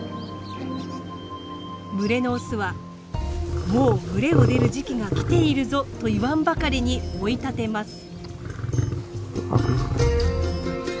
群れのオスは「もう群れを出る時期が来ているぞ」と言わんばかりに追い立てます。